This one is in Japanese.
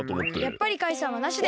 やっぱりカイさんはなしで。